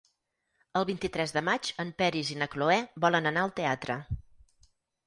El vint-i-tres de maig en Peris i na Cloè volen anar al teatre.